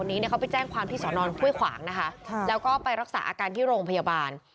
นี่เค้าเจ้นผสานพิสอณภวยขวางแล้วก็ไปรักษาโรงพยาบาล